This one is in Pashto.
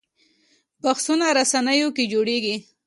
بحثونه رسنیو کې جوړېږي